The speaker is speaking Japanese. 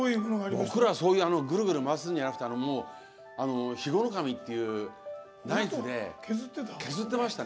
僕ら、そういうぐるぐる回すんじゃなくてナイフで削ってましたね。